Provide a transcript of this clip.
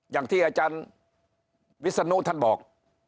อย่างที่อาจารย์วิศนุท่านบอก